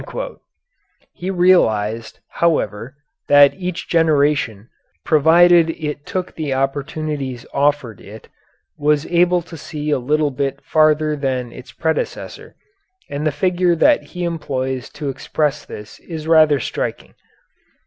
He realized, however, that each generation, provided it took the opportunities offered it, was able to see a little bit farther than its predecessor, and the figure that he employs to express this is rather striking.